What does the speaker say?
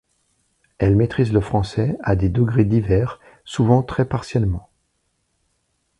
Entre maîtrisent le français, à des degrés divers, souvent très partiellement.